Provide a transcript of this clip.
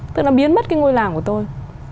tức là biến mất cái ngôi làng của tôi